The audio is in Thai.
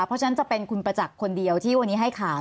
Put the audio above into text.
เพราะฉะนั้นจะเป็นคุณประจักษ์คนเดียวที่วันนี้ให้ข่าว